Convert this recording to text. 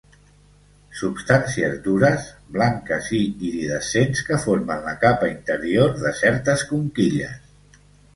Substàncies dures, blanques i iridescents que formen la capa interior de certes conquilles.